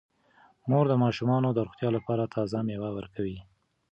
مور د ماشومانو د روغتیا لپاره تازه میوه ورکوي.